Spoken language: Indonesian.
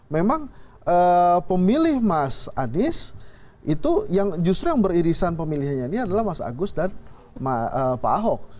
memang pemilih mas anies itu yang justru yang beririsan pemilihannya ini adalah mas agus dan pak ahok